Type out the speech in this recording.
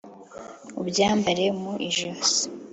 Ubyambare mu ijosi